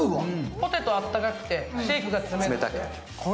ポテトがあったかくて、シェイクが冷たくて。